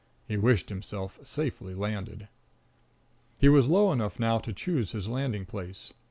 He wished himself safely landed. He was low enough now to choose his landing place.